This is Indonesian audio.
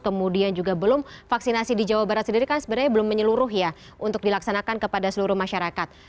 kemudian juga belum vaksinasi di jawa barat sendiri kan sebenarnya belum menyeluruh ya untuk dilaksanakan kepada seluruh masyarakat